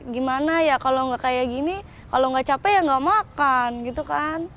gimana ya kalau nggak kayak gini kalau nggak capek ya nggak makan gitu kan